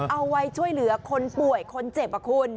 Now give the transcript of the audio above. เอาไว้ช่วยเหลือคนป่วยคนเจ็บอะคุณ